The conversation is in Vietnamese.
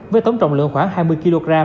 với tổng trọng lượng khoảng hai mươi kg